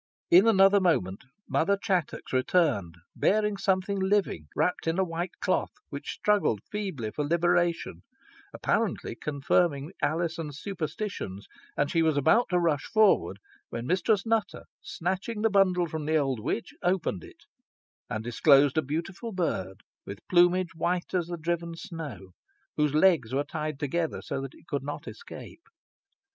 In another moment, Mother Chattox returned bearing some living thing, wrapped in a white cloth, which struggled feebly for liberation, apparently confirming Alizon's suspicions, and she was about to rush forward, when Mistress Nutter, snatching the bundle from the old witch, opened it, and disclosed a beautiful bird, with plumage white as driven snow, whose legs were tied together, so that it could not escape.